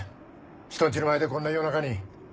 人んちの前でこんな夜中に。